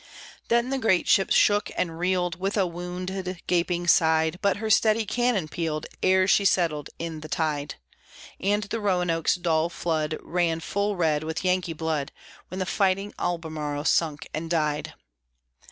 Then the great ship shook and reeled, With a wounded, gaping side, But her steady cannon pealed Ere she settled in the tide, And the Roanoke's dull flood ran full red with Yankee blood, When the fighting Albemarle sunk and died.